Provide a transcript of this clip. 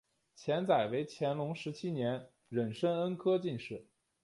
钱载为乾隆十七年壬申恩科进士。